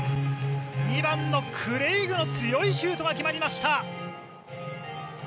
２番のクレイグの強いシュートが決まりました。